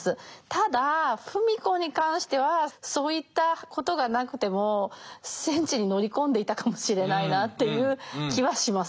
ただ芙美子に関してはそういったことがなくても戦地に乗り込んでいたかもしれないなっていう気はします。